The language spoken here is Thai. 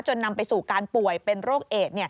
นำไปสู่การป่วยเป็นโรคเอด